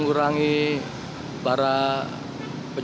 video ini bersalah